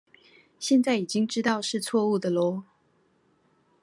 現在已經知道是錯誤的囉